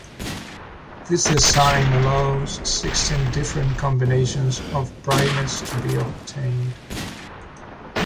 This design allows sixteen different combinations of brightness to be obtained.